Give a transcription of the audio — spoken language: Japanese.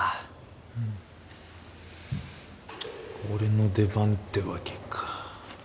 俺の出番ってわけか。